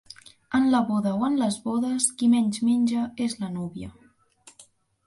En la boda o en les bodes, qui menys menja és la núvia.